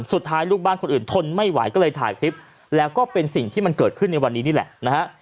สุดท้ายลูกบ้านคนอื่นทนไม่ไหวก็เลยถ่ายคลิปแล้วก็เป็นสิ่งที่มันเกิดขึ้นในวันนี้นี่แหละนะฮะ